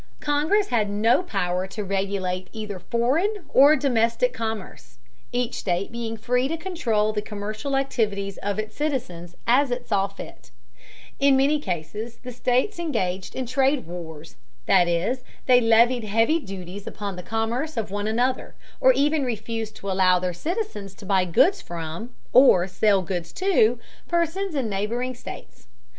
Congress had no power to regulate either foreign or domestic commerce, each state being free to control the commercial activities of its citizens as it saw fit In many cases the states engaged in trade wars, that is, they levied heavy duties upon the commerce of one another, or even refused to allow their citizens to buy goods from, or sell goods to, persons in neighboring states.